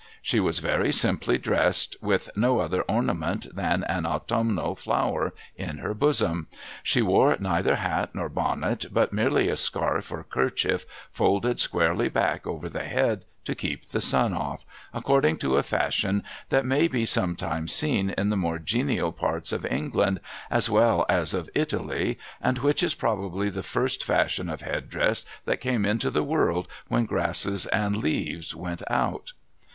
She was very simply dressed, with no other ornament than an autumnal flower in her bosom. She wore neither hat nor bonnet, but merely a scarf or kerchief, folded squarely back over the head, to keep the sun off, — according to a fashion that may be sometimes seen in the more genial parts of England as well as of Italy, and which is probably the first fashion of head dress that came into the world when grasses and leaves went out.